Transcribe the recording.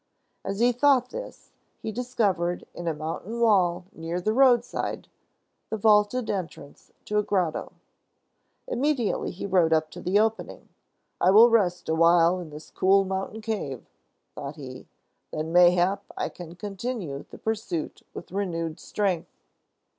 As he thought this, he discovered, in a mountain wall near the roadside, the vaulted entrance to a grotto. Immediately he rode up to the opening. "I will rest a while in this cool mountain cave," thought he. "Then, mayhap, I can continue the pursuit with renewed strength."